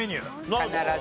必ず。